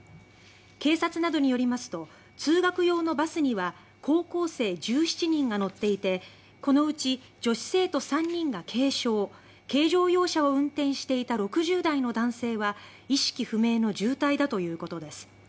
警察などによりますと通学用のバスには高校生１７人が乗っていてこのうち女子生徒３人が軽傷軽乗用車を運転していた６０代の男性は意識不明の重体だということです。